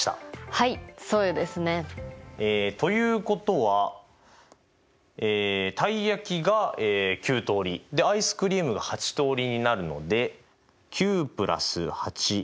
はいそうですね。ということはたい焼きが９通りアイスクリームが８通りになるので。